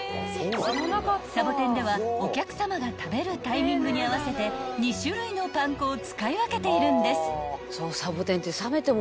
［さぼてんではお客さまが食べるタイミングに合わせて２種類のパン粉を使い分けているんです］